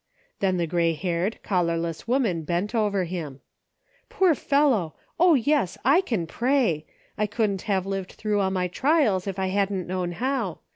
Then the gray haired, collar less woman bent over him. " Poor fellow ! O, yes ! I can />ray ; I couldn't have lived through all my trials if I hadn't known how.